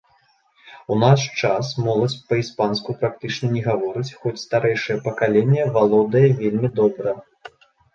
У наш час моладзь па-іспанску практычна не гаворыць, хоць старэйшае пакаленне валодае вельмі добра.